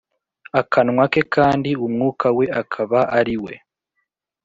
akanwa ke kandi umwuka we akaba ari we